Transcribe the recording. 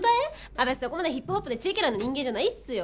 私そこまでヒップホップでチェケラな人間じゃないっすよ。